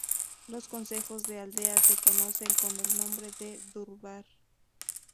Los consejos de aldea se conocen con el nombre de "Durbar".